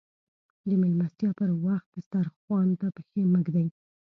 د ميلمستيا پر وخت دسترخوان ته پښې مه ږدئ.